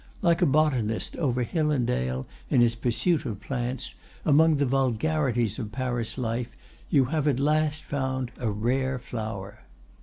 Like a botanist over hill and dale in his pursuit of plants, among the vulgarities of Paris life you have at last found a rare flower.